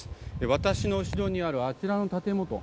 私の後ろにあるあちらの建物。